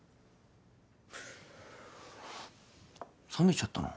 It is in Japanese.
冷めちゃったな。